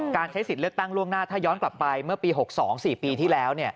ใช้สิทธิ์เลือกตั้งล่วงหน้าถ้าย้อนกลับไปเมื่อปี๖๒๔ปีที่แล้ว